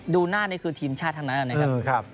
ดูหน้านี่คือทีมชาติทั้งนั้นนะครับ